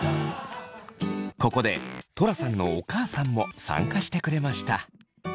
ここでトラさんのお母さんも参加してくれました。